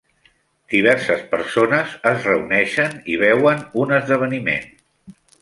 Diverses persones es reuneixen i veuen un esdeveniment.